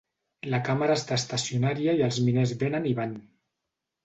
La càmera està estacionària i els miners vénen i van.